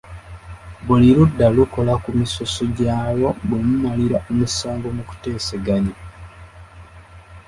Buli ludda lukola ku misoso gyalwo bwe mumalira omusango mu kuteesaganya.